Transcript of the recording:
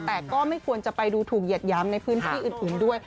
แต่ก็ไม่ควรจะไปดูถูกเหยียดย้ำในพื้นที่อื่นด้วย